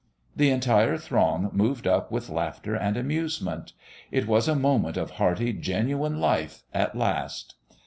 The entire throng moved up with laughter and amusement. It was a moment of hearty, genuine life at last.